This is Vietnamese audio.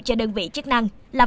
cho đơn vị chức năng